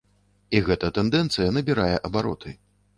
І гэта тэндэнцыя набірае абароты.